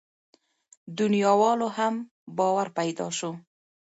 دنياوالو هم باور پيدا شو.